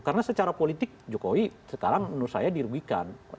karena secara politik jokowi sekarang menurut saya dirugikan